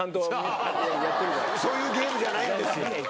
そういうゲームじゃないんですよ。